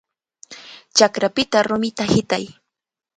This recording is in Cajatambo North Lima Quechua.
¡Chakrapita rumita hitay!